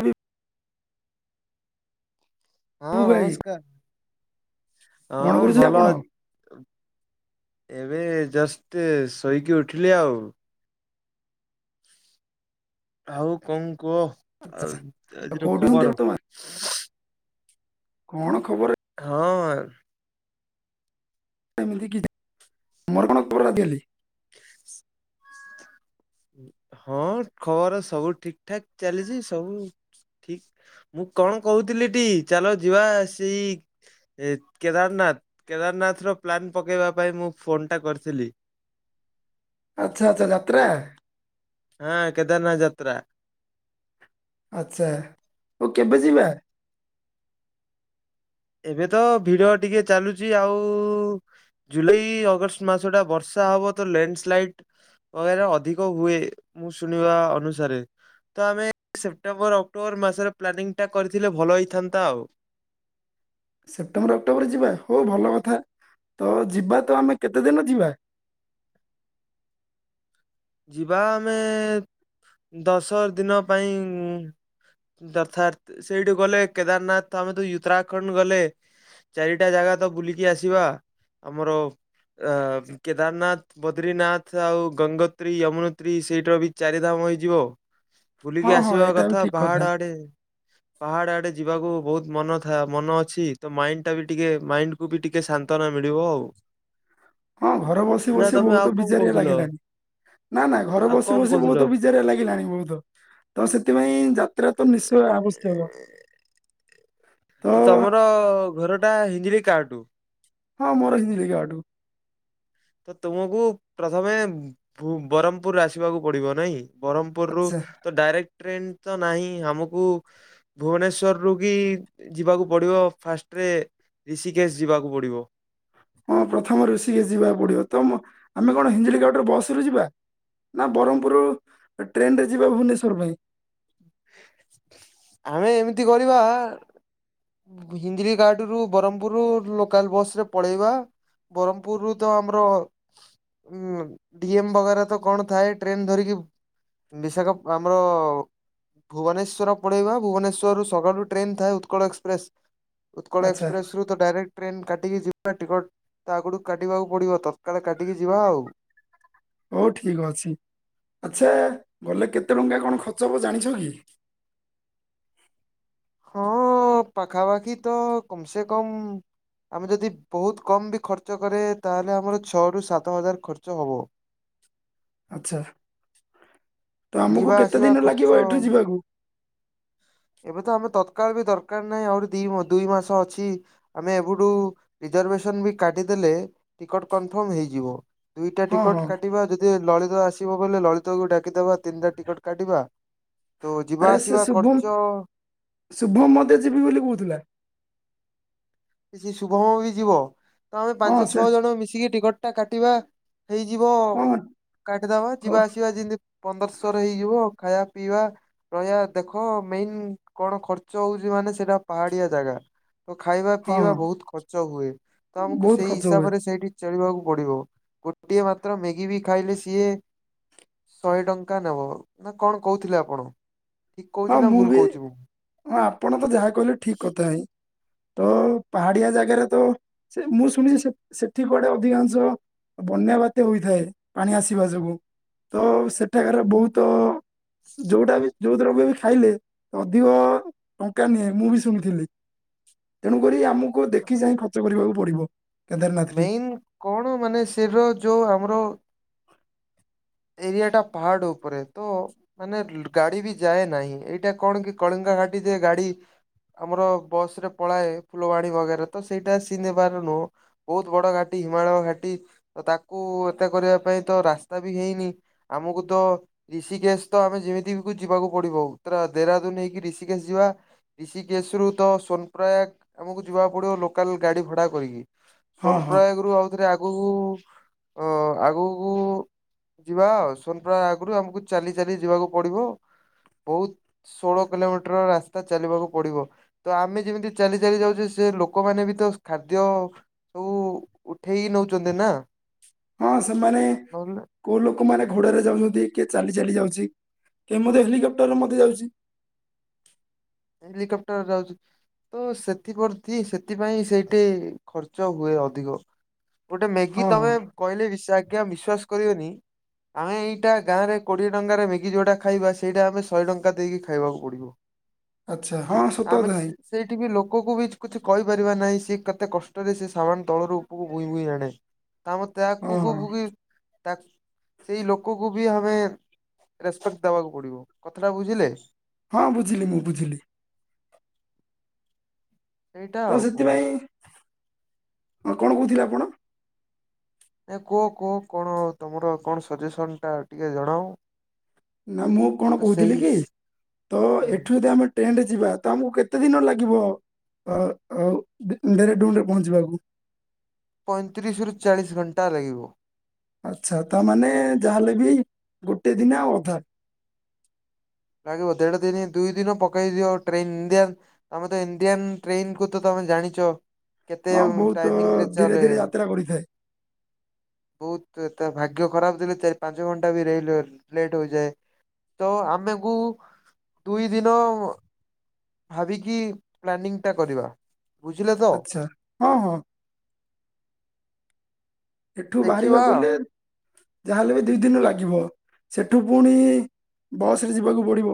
ଆରି ବିଭୁ ହଁ ଭାଇ ନମସ୍କାର୍। କଣ ହଁ କରୁଛନ୍ତି ଭଲ ଆପଣ? ଅ ଏବେ ଜଷ୍ଟ୍ ଶୋଇକି ଉଠିଲି ଆଉ। ଆଉ କଣ କୁଁ ଆଉ ଆଚ୍ଛା ଆଉ ଆଜିର କୋଉଠି ଅଛନ୍ତି ଖବର୍? ବର୍ତ୍ତମାନ? କଣ ଖବର୍ ହଁ। [unintelligible] ହଁ ଖବର ସବୁ ଠିକ୍ ଠାକ୍ ଚାଲିଚି ସବୁ ଠିକ ମୁଁ କଣ କହୁଥିଲିଟି ଚାଲ ଯିବା ସେଇ ଏ କେଦାରନା ଥ କେଦାରନାଥ ର ପ୍ଲାନ ପକେଇବା ପାଇଁ ମୁଁ ଫୋନ ଟା କରିଥିଲି। ଆଚ୍ଛା ଆଚ୍ଛା ଯାତ୍ରା। ହଁ କେଦାରନାଥ ଯାତ୍ରା। ଆଛା ଆଉ କେବେ ଯିବା? ଏବେ ତ ଭିଡ ଟିକେ ଚାଲୁଚି ଆଉ ଜୁଲାଇ ଅଗଷ୍ଟ ମାସ ଟା ବର୍ଷା ହବ ତ ଲ୍ୟାଣ୍ଡସ୍ଲାଇଡ ବଗେରା ଅଧିକ ହୁଏ। ମୁଁ ଶୁଣିବା ଅନୁସାରେ। ତ ଆମେ ସେପ୍ଟେମ୍ବର ଅକ୍ଟୋବର ମାସରେ ପ୍ଲାନିଂ ଟା କରିଥିଲେ ଭଲ ହେଇଥାନ୍ତା ଆଉ। ସେପ୍ଟେମ୍ବର ଅକ୍ଟୋବର ଯିବା ହଉ ଭଲ କଥା। ତ ଯିବା ତ ଆମେ କେତେ ଦିନ ଯିବା। ଯିବା ଆମେ ଦଶ ଦିନ ପାଇଁ ଅର୍ଥାତ୍ ସେଇଠୁ ଗଲେ କେଦାରନାଥ ଆମେ ତ ଉତ୍ତରାଖଣ୍ଡ ଗଲେ ଚାରିଟା ଜାଗା ତ ବୁଲିକି ଆସିବା। ଆମର ଅ କେଦାରନାଥ ବଦ୍ରିନାଥ ଆଉ ଗଙ୍ଗ ତ୍ରୀ ୟମୁନେତ୍ରି ସେଇଠର ବି ଚାରିଧାମ ହୋଇଯିବ। ହଁ ବୁଲିକି ହଁ ଆସିବା ଏଇଟା ବି କଥା ଠିକ ପାହାଡ ଆଡେ ପାହାଡ ଆଡେ ଯିବାକୁ ବହୁତ ମନ ଥା ମନ ଅଛି ତ ମାଇଣ୍ଡ ଟା ବି ଟିକେ ମାଇଣ୍ଡକୁୁ ବି ଟିକେ ଶାନ୍ତନା ମିଳ ଳିବ ଆଉ। ହଁ ଘରେ ବସି ନା ବସି ତମେ ଆଉ ବହୁତ କଣ ବିଜାରିଆ କହୁଥିଲ ଲାଗିଲାଣି। ନା ନା ଘରେ ଆଉ ବସି କଣ ବସି କହୁଥିଲ? ବହୁତ ବିଚାରିଆ ଲାଗିଲାଣି ବହୁତ ତ ସେଥିପାଇଁ ଯାତ୍ରା ତ ନିଶ୍ଚୟ ଆବଶ୍ୟକ। ତ ତମର ଘର ଟା ହିଞ୍ଜିଳି କାଟୁ। ହଁ ମୋର ହିଞ୍ଜିଳି କାଟୁ। ତ ତୁମକୁ ପ୍ରଥମେ ଭୁ ବରହମପୁର ଆସିବାକୁ ପଡିବ ନାଇଁ। ବରହମପୁରରୁ ଆଚ୍ଛା ତ ଡାଇରେକ୍ଟ ଟ୍ରେନ ତ ନାହିଁ ଆମକୁ ଭୁବନେଶ୍ଵର ରୁ ବି ଯିବାକୁ ପଡିବ ଫାଷ୍ଟରେ ଋଷିକେଶ ଯିବାକୁ ପଡିବ। ହଁ ପ୍ରଥମ ଋଷିକେଶ ଯିବାକୁ ପଡିବ । ତ ମ ଆମେ କଣ ହିଞ୍ଜଳି କାଟୁରେ ବସ ରୁ ଯିବା? ନା ବରହମପୁରୁ ଟ୍ରେନ ରେ ଯିବା ଭୁବନେଶ୍ଵର ପାଇଁ। ଆମେ ଏମିତି କରିବା ହିଞ୍ଜିଳି କାଟୁ ରୁ ବରହମପୁର ଲୋକାଲ ବସ ରେ ପଳେଇବା ବରହମପୁରରୁ ତ ଆମର ଉଁ ଡିଏମ ବଗେରା ତ କଣ ଥାଏ ଟ୍ରେନ ଧରିକି ବିଶାଖା ଆମର ଭୁବନେଶ୍ୱର ପଳେଇବା ଭୁବନେଶ୍ୱରରୁ ସକାଳୁ ଟ୍ରେନ ଥାଏ ଉତ୍କଳ ଏକ୍ସ ପ୍ରେସ୍ ଉତ୍କଳ ଆଚ୍ଛା ଏକ୍ସପ୍ରେସ ରୁ ତ ଡାଇରେକ୍ଟ ଟ୍ରେନ କାଟ୍ ଟିକି ଯିବା ଟିକଟ ତା ଆଗଠୁ କାଟିବାକୁ ପଡିବ ତ ହଉ ଠିକ ଅଛି। ଆଛା ଗଲେ କେତେ ଟଙ୍କା କଣ ଖର୍ଚ୍ଚ ହେବ ଜାଣିଛ କି? ହଁ ପାଖା ପାାଖି ତ କମ ସେ କମ ଆମେ ଯଦି ବହୁତ କମ ବି ଖର୍ଚ୍ଚ କରିଆ ତାହେଲେ ଆମର ଛଅ ରୁ ସାତ ହଜାର ଖର୍ଚ୍ଚ ହବ। ଆଚ୍ଛା। ତ ଆମକୁ ଯିବା କେତେ ଆସିବା ଦିନ ଖର୍ଚ୍ଚ ଲାଗିବ ଏଠୁ ଯିବାକୁ? ଏବେ ତ ଆମେ ତତ୍କାଳ ବି ଦରକାର ନାହିଁ ଆହୁରି ଦି ଦୁଇ ମାସ ଅଛି ଆମେ ଏବଠୁ ରିଜ ବି କାଟିଦେଲେ ଟିକଟ କନଫର୍ମ ହେଇଯିବ। ଦୁଇଟା ହଁ ଟିକଟ ହଁ କାଟିବା ଯଦି ଲଳିତ ଆସିବ ବୋଲେ ଲଳିତକୁ ଡାକ ଦବା ତିନିଟା ଟିକେଟ କାଟିବା ତ ଯିବା ଆରେ ସେ ଆସିବା ଖର୍ଚ୍ଚ ଶୁଭମ ଶୁଭମ ମଧ୍ୟ ଯିବି ବୋଲି କହୁଥିଲା। କିଛି ଶୁଭମ ବି ଯିବ ତ ଆମେ ହଁ ପାଞ୍ଚ ସେ ଛଅ ଜଣ ମିଶିକି ଟିକଟ ଟା କାଟିବା। ହେଇଯିବ ହଁ କାଟିଦବା ହଁ ଯିବା ଆସିବା ଯେମିତି ପନ୍ଦରଶହରେ ହେଇଯିବ । ଖାଇବା ପିଇବା ରହିବା ଦେଖ ମେନ୍ କଣ ଖର୍ଚ ହଉଛି ମାନେ ସେଇଟା ପାହାଡିଆ ଜାଗା । ତ ଖାଇବା ହଁ ପିଇବା ବହୁତ ଖର୍ଚ୍ଚ ହୁଏ ତ ଆମକୁ ବହୁତ ସେଇ ଖର୍ଚ୍ଚ ହୁଏ ହିସାବରେ ସେଇଠି ଚଳିବାକୁ ପଡିବ ଗୋଟିଏ ମାତ୍ର ମ୍ୟାଗି ବି ଖାଇଲେ ସିଏ ଶହେ ଟଙ୍କା ନେବ ନା କଣ କହୁଥିଲେ ଆପଣ? ଠିକ କହୁଛି ହଁ ନା ମୁଁ ଭୁଲ ବି କହୁଛି ମୁଁ? ହଁ ଆପଣ ତ ଯାହା କହିଲେ ଠିକ କଥା ହିଁ। ତ ପାହାଡିଆ ଜାଗାରେ ତ ସେ ମୁଁ ଶୁଣି ସେଠି କୁଆଡେ ଅଧିକାଂଶ ବନ୍ୟା ବାତ୍ୟ ହୋଇଥାଏ ପାଣି ଆସିବା ଯୋଗୁ ତ ସେଠାକାର ବହୁତ ଯୋଟାବି ଯୋଉଥିରେ ବି ଖାଇଲେ ଅଧିକ ଟଙ୍କା ନିଏ ମୁଁ ବି ଶୁଣିଥିଲି ତେଣୁ କରି ଆମକୁ ଦେଖି ଚାହିଁ ଖର୍ଚ୍ଚ କରିବାକୁ ପଡିବ। କେଦାରନାଥରେ ମେନ କଣ ମାନେ ସେଥିର ଯୋଉ ଆମର ଏରିଆ ଟା ପାହାଡ ଉପରେ ତ ମାନେ ଗାଡି ବି ଯାଏ ନାହିଁ ଏଇଟା କଣ କି କଳିଙ୍ଗ ଘାଟି ଦେଇ ଗାଡ଼ି ଆମର ବସ ରେ ପଳାଏ ଫୁଲବାଣୀ ବଜାର ତ ସେଇଟା ସି ନେବାର ନୁହଁ ବହୁତ ବଡ ଘାଟି ହିମାଳୟ ଘାଟି ତାକୁ ଏତା କରିବା ପାଇଁ ତ ରାସ୍ତା ବି ହେଇନି ଆମକୁ ତ ଋଷିକେଶ ତ ଆମେ ଯେମିତି ଯିବାକୁ ପଡିବ ପୁରା ଦେହରାଦୁନୀ ହେକି ଋଷିକେଶ ଯିବା ଋଷିକେଶ ରୁ ତ ସୋନପ୍ର୍ରୟାାଗ ଆମକୁ ଯିବାକୁ ପଡିବ ଲୋକାଲ ଗାଡି ଭଡା କରିକି। ହଁ ହଁ ସନପ୍ରୟାଗରୁ ଆଉଥରେ ଆଗକୁ ଅ ଆଗକୁ ଯିବା ଆଉ ସନପ୍ରୟାଗରୁ ଆଗରୁ ଆମକୁ ଚାଲି ଚାଲି ଯିବାକୁ ପଡିବ। ବହୁତ ଷୋହଳ କିଲୋମିଟର ରାସ୍ତା ଚାଲିବାକୁ ପଡିବ ତ ଆମେ ଯେମିତି ଚାଲି ଚାଲି ଯାଉଛେ ଯେ ଲୋକମାନେ ବି ତ ଖାଦ୍ୟ ସବୁ ଉଠେଇି ନଉଛନ୍ତି ନା? ହଁ ସେମାନେ ନହେଲେ କୋଉ ଲୋକମାନୋନ ଘୋଡାରେ ଯାଉଛନ୍ତି କିଏ ଚାଲି ଚାଲି ଯାଉଛି। କେ ମଧ୍ଯ ହେଲିକପ୍ଟରରେ ମଧ୍ଯ ଯାଉଛି। ହେଲିକପ୍ଟର ଯାଉଛି। ତ ସେଥିପ୍ରତି ସେଥିପାଇଁ ସେଇଠି ଖର୍ଚ୍ଚ ହୁଏ ଅଧିକ । ଗୋଟେ ମ୍ୟାଗି ହଁ ତମେ ହଁ କହିଲେ ଆଜ୍ଞା ବିଶ୍ଵାସ କରିବେନି। ଆମେ ଏଇଟା ଗାଁରେ କୋଡ଼ିଏ ଟଙ୍କାରେ ମ୍ୟାଗି ଯେଉଁଟା ଖାଇବା ସେଇଟା ଆମେ ଶହେ ଟଙ୍କା ଦେଇକି ଖାଇବାକୁ ପଡ଼ିବ। ଆଚ୍ଛା ହଁ ସତ ଆମେ କଥା ଭାଇ ସେଇଠି ବି ଲୋକକୁ ବି କିଛି କହିପାରିବା ନାହିଁ ସେ କେତେ କଷ୍ଟରେ ସେ ସାବମାନ ତଳରୁ ଉପକୁ ଭୁଇଁ ଭୁଇଁ ଆଣେ। କମ ହଁ ହଁ ତାକୁକୁ କି ସେଇ ଲୋକକୁ ବି ଆମେ ରିସ୍ପେକ୍ଟ ଦବାକୁ ପଡିବ କଥାଟା ବୁଝିଲେ? ହଁ ବୁଝିଲି ମୁଁ ବୁଝିଲି। ସେଇଟା ତ ଆଉ କଣ। ସେଥିପାଇଁ ହଁ କଣ କହୁଥିଲେ ଆପଣ? ଏ କୁହ କୁହ କଣ ତମର କଣ ସଜେସନ ଟା ଟିକେ ଜଣାଅ? ନା ମୁଁ କଣ ତ କହୁଥିଲି ସେଇ କି ତ ହୁଁ ଏଠୁ ଯଦି ଆମେ ଟ୍ରେନ ରେ ଯିବା ତ ଆମକୁ କେତେ ଦିନ ଲାଗିବ? ଆ ଆଉ ଦେହରାଦୁନ ରେ ପହଞ୍ଚିବାକୁ । ପଇଁତିରିଶ ରୁ ଚାଳିଶ ଘଣ୍ଟା ଲାଗିବ। ଆଚ୍ଛା ତାମାନୋନେ ଯାହାହେଲେ ବି ଗୋଟେ ଦିନ ଅଧା। ଲାଗିବ ଦେଢ ଦିନ ଦୁଇ ଦିନ ପକେଇ ଦିବ ଆ ଟ୍ରେନ ଇଣ୍ଡିଆ ତମେ ତ ଇଣ୍ଡିଆନ୍ ଟ୍ରେନକୁୁ ତମେ ହଁ ଜାଣିଛ କେତେ ହଁ ବହୁତ ଟାଇମିଂରେ ଧୀରେ ଚାଲେ ଧୀରେ ଯାତ୍ରା କରିଥାଏ ବହୁତ ତ ଏତ ଭାଗ୍ୟ ଖରାପ ଦେଲେ ଚାରି ପାଞ୍ଚ ଘଣ୍ଟା ବି ରେଲୱେ ଲେଟ୍ ହେଇଯାଏ ତ ଆମେ ମୁଁ ଦୁଇ ଦିନ ଭାବିକି ପ୍ଲାନିଂଟା କରିବା ବୁଝିଲେ ତ ଆଚ୍ଛା ହଁ ହଁ। ଏଠୁ ବାହାରିବା ଦେଖିବା ଗଲେ। ଯାହାହେଲେ ବି ଦି ଦିନ ଲାଗିବ ସେଠୁ ପୁଣି ବସ ରେ ଯିବାକୁ ପଡିବ।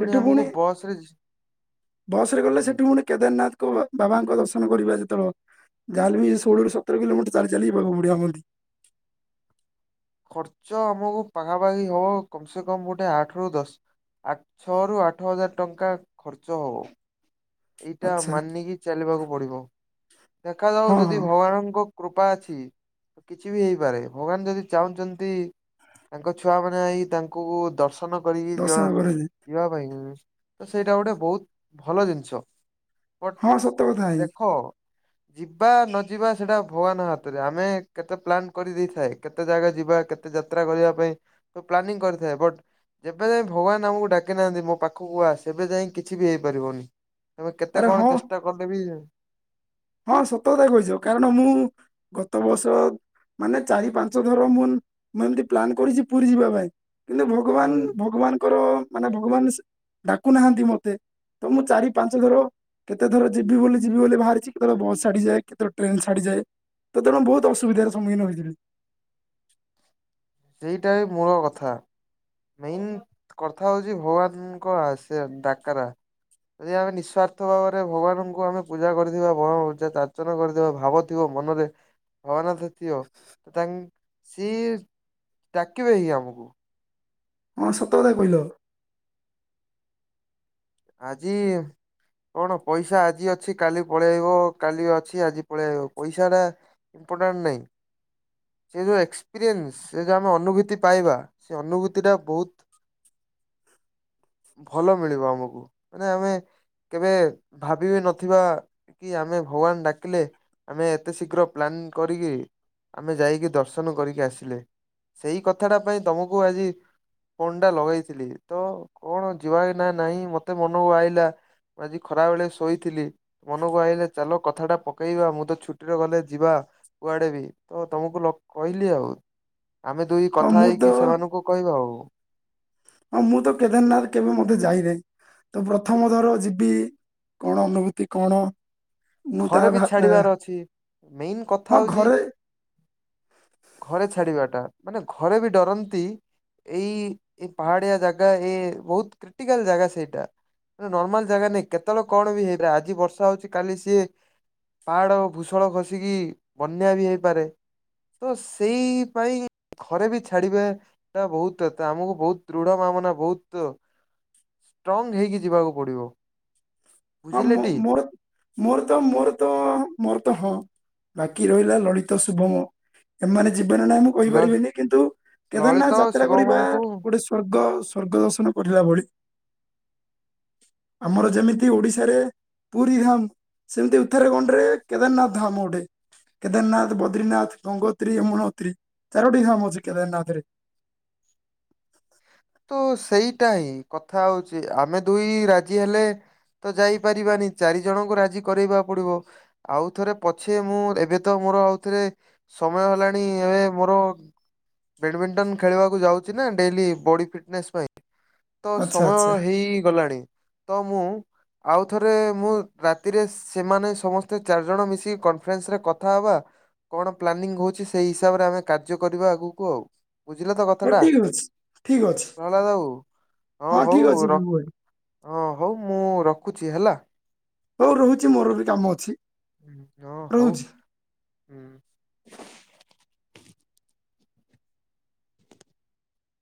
ସେଠୁ ଆମକୁ ପୁଣି ବସ ରେ ବସରେ ଗଲେ ସେଠୁ ହୁଁ ପୁଣି କେଦାରନାଥ ବାବାଙ୍କ ଦର୍ଶନ କରିବା ଯେତେବେଳେ ଜାହେଲେ ବି ଷୋହଳରୁ ସତର କିଲୋମିଟର ଚାଲି ଚାଲି ଯିବାକୁ ପଡିବ ଆମତି। ଖର୍ଚ୍ଚ ଆମକୁ ପାଖାପାଖି ହବ କମ ସେ କମ ଗୋଟେ ଆଠ ରୁ ଦଶ ଆ ଛ ରୁୁ ଆଠ ହଜାର ଟଙ୍କା ଖର୍ଚ୍ଚ ହବ। ଏଇଟା ଆଚ୍ଛା ମାନିକି ଚାଲିବାକୁ ପଡିବ ଦେଖାଯାଉ ହଁ ଯଦି ହଁ ଭଗବାନଙ୍କ କୃପା ଅଛି କିଛି ବି ହେଇପାରେ ଭଗବାନ ଯଦି ଚାହୁଁଛନ୍ତି ତାଙ୍କ ଛୁଆ ମାନେ ଆଇ ତାଙ୍କୁ ଦର୍ଶନ କରିକି ଜଣ ଦର୍ଶନ କରୁଛି ଯିବା ପାଇଁ ତ ସେଇଟା ଗୋଟେ ବହୁତ ଭଲ ଜିନିଷ। ବଟ ହଁ ସତ କଥା ହେଇ। ଦେଖ ଯିବା ନ ଯିବା ସେଟା ଭଗବାନ ହାତରେ ଆମେ କେତେ ପ୍ଲାନ୍ କରିଦେଇଥାଏ କେତେ ଜାଗା ଯି ବା କେତେ ଯାତ୍ରା କରିବା ପାଇଁ ସବୁ ପ୍ଲାନିଂ କରିଥାଏ ବଟ ଯେବେ ଯାଇ ଭଗବାନ ଆମକୁ ଡାକି ନାହାନ୍ତି ମୋ ପାଖକୁ ଆ ସେବେ ଯାଇ କିଛି ବି ହେଇପାରିବନି। ତମେ କେତେ ଆରେ କଣ ହଁ ଚେଷ୍ଟା କଲେ ବି ହଁ ସତକଥା କହିଚ କାରଣ ମୁଁ ଗତ ବର୍ଷ ମାନେ ଚାରି ପାଞ୍ଚ ଥର ମୁଁ ମୁଁ ଏମିତି ପ୍ଲାନ୍ କରିଚି ପୁରୀ ଯିବା ପାଇଁ। କିନ୍ତୁ ଭଗବାନ ଭଗବାନଙ୍କର ମାନେ ଭଗବାନ ଡାକୁନାହାନ୍ତି ମତେ। ତ ମୁଁ ଚାରି ପାଞ୍ଚ ଥର କେତେ ଥର ଯିବି ବୋଲି ଯିବି ବୋଲି ବାହାରିଚି। କେତବେଳେ ବସ୍ ଛାଡିଯାଏ। କେତବେଳେ ଟ୍ରେନ ଛାଡିଯାଏ। ତେଣୁ ବହୁ ଅସୁବିଧାର ସମ୍ମୁଖୀନ ହୋଇଥିବି। ସେଇଟା ହି ମୂଳ କଥା। ମେନ କଥା ହଉଚି ଭଗବାନଙ୍କ ଆସେ ଡାକେରା। ଯଦି ଆମେ ନିଃସ୍ଵାର୍ଥ ଭାବରେ ଭଗବାନଙ୍କୁ ଆମେ ପୂଜା କରିଥିବା [unintelligible] କରିଥିବା ଭାବଥିବ। ମନରେ ଭଗବାନ ଦିଅ ତ ତାଙ୍କ ସିଏ ଡାକିବେ ହି ଆମକୁ। ହଁ ସତ କଥା କହିଲ। ଆଜି କଣ ପଇସା ଆଜି ଅଛି କାଲି ପଳେଇବ କାଲି ଅଛି ଆଜି ପଳେଇ ଆଇବ ପଇସା ଟା ଇମ୍ପୋଟାଣ୍ଟ ନାଇଁ। ସେ ଯୋଉ ଏକ୍ସପିରିଏନ୍ସ ସେ ଯଉ ଆମେ ଅନୁଭୂତି ପାଇବା ସେ ଅନୁଭୂତି ଟା ବହୁତ ଭଲ ମିଳିବ ଆମକୁ ମାନେ ଆମେ କେବେ ଭାବି ବି ନଥିବା କି ଆମେ ଭଗବାନ ଡାକିଲେ ଆମେ ଏତେ ଶୀଘ୍ର ପ୍ଲାନ କରିକି ଆମେ ଯାଇକି ଦର୍ଶନ କରିକି ଆସିଲେ ସେଇ କଥାଟା ପାଇଁ ତମକୁ ଆଜି ଫୋନ ଟା ଲଗେଇଥିଲି ତ କଣ ଯିବା ନା ନାହିଁ ମ ମତେ ମନକୁ ଆଇିଲା ମୁ ଆଜି ଖରାବେଳେ ଶୋଇଥିଲି ମନକୁ ଆଇିଲା ଚାଲ କଥାଟା ପ କେଇବା ମୁଁ ତ ଛୁଟିରେ ଗଲେ ଯିବା କୁଆଡେ ବି ତ ତମକୁ କହିଲି ଆଉ ଆମେ ଦୁଇ ହଁ କଥା ମୁଁ ତ ହେଇକି ସେମାନଙ୍କୁ କହିବା ଆଉ। ହଁ ମୁଁ ତ କେଦାରନାଥ କେବେ ମଧ୍ୟ ଯାଇନାହି। ତ ପ୍ରଥମ ଥର ଯିବି କଣ ଅନୁଭୂତି କଣ? ମୁଁ ଘରେ ତାହା ବି ଭା ଆ ଛାଡିବାର ଅଛି ।ମେନ୍ କଥା ହଁ ହଉଚି ଘରେ ଘରେ ଛାଡିବା ଟା ମାନେ ଘରେ ବି ଡରନ୍ତି। ଏଇ ଏ ପାହାଡିଆ ଜାଗା ଏ ବହୁତ କ୍ରିଟିକାଲ ଜାଗା ସେଇଟା। ନର୍ମାଲ ଜାଗା ନାହିଁ କେତେବେଳେ କଣ ବି ହେଇଲା ଆଜି ବର୍ଷା ହଉଛି କାଲି ସିଏ ପାହାଡ଼ ଭୂତଳ ଖସିକି ବନ୍ୟା ବି ହେଇପାରେ। ତ ସେଇ ପାଇଁ ଘରେ ବି ଛାଡିବା ଟା ବହୁତତ ଆମକୁ ବହୁତ ଦୃଢ ଭାବନା ବହୁତ ଷ୍ଟ୍ରଙ୍ଗ ହେଇକି ଯିବାକୁ ପଡ଼ିବ। ହଁ ମୁଁ ମୋର ମୋର। ତ ମୋର ତ ମୋର ତ ହଁ ବାକି ରହିଲା ଲଳିତା ଶୁଭମ ଏମାନେ ଜୀବନ ନାହିଁ ମୁଁ କହିପାରିବିନି କିନ୍ତୁ କେଦାରନାଥ ଲଳିତ ଯାତ୍ରା କରିବା ଶିବମଙ୍କୁ ଗୋଟେ ସ୍ୱର୍ଗ ସ୍ଵର୍ଗ ଦର୍ଶନ କରିଲା ଭଳି ଆମର ଯେମିତି ଓଡିଶାରେ ପୁରୀ ଧାମ ସେମିତି ଉତ୍ତରାଖଣ୍ଡ ରେ କେଦାରନାଥ ଧାମ ଗୋଟେ। କେଦାରନାଥ, ବଦ୍ରିନାଥ, ଗଙ୍ଗୋତ୍ରୀ, ୟମୁନୋତ୍ରୀ। ଚାରୋଟି ଧାମ ଅଛି କେଦାରନାଥ ରେ। ତ ସେଇଟା ହିଁ କଥା ହଉଛି ଆମେ ଦୁଇ ରାଜି ହେଲେ। ତ ଯାଇପାରିବାନି ଚାରି ଜଣଙ୍କୁ ରାଜି କରାଇବା ପଡିବ ଆଉ ଥରେ ପଛେ ମୁଁ ଏବେ ତ ମୁଁ ଆଉଥିରେ ସମୟ ହେଲାଣି ଏବେ ମୋର। ବେଡ଼ମୀଣ୍ଟନ ଖେଳିବାକୁ ଯାଉଛି ନା ଡେଲି ବଡି ଫିଟନେସ୍ ପାଇଁ ତ ଆଚ୍ଛା ସମୟ ଆଚ୍ଛା ହେଇଗଲାଣି ତ ମୁଁ। ଆଉ ଥରେ ମୁଁ ରାତିରେ ସସସେମାନେ ସମସ୍ତେ ଚାରିଜଣ ମିଶିକି କନଫରେନ୍ସ ରେ କଥା କଣ ପ୍ଲାନିଂ ହଉଛି ସେଇ ହିସାବରେ ଆମେ କାର୍ଯ୍ୟ କରିବା ଆଗକୁ ଆଉ। ବୁଝିଲ ତ କଥାଟା ଠିକ ଅଛି ଠିକ ଅ ପ୍ରହ୍ଲାଦ ବାବୁ ହଁ ହଉ ଅଛି ର ବିଭୁ ଭାଇ ହଁ ହଉ ମୁଁ ର ଖୁଛି ହେଲା। ହଉ ରହୁଛି ମୋର ବି କାମ ଅଛି। ହ ହଉ ରହୁଛି ହଁ।